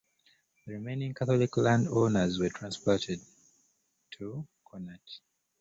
The remaining Catholic landowners were transplanted to Connacht.